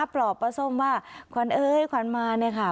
ปลอบป้าส้มว่าขวัญเอ้ยขวัญมาเนี่ยค่ะ